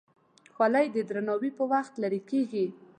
خولۍ د درناوي پر وخت لرې کېږي.